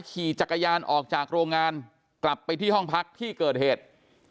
ขี่จักรยานออกจากโรงงานกลับไปที่ห้องพักที่เกิดเหตุ